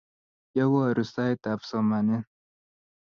kioworu sait ab somanee